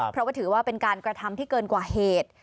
เพราะว่าถือว่าเป็นการกระทำที่เกินกว่าเหตุ